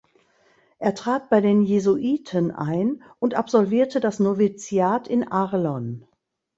Er trat bei den Jesuiten ein und absolvierte das Noviziat in Arlon.